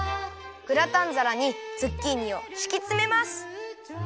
グラタンざらにズッキーニをしきつめます。